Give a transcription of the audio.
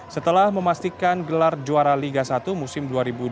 setelah memastikan gelar juara liga satu musim dua ribu dua puluh dua dua ribu dua puluh tiga